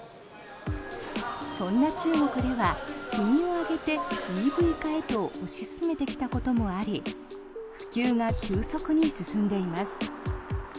そんな中国では国を挙げてＥＶ化へと推し進めてきたこともあり普及が急速に進んでいます。